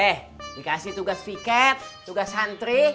eh dikasih tugas tiket tugas santri